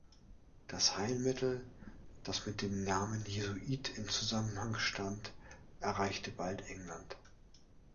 Das Heilmittel – das mit dem Namen Jesuit in Zusammenhang stand – erreichte bald England.